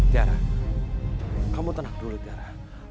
tiara kamu tenang dulu tiara